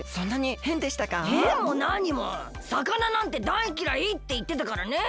へんも何も魚なんてだいきらいっていってたからねえ。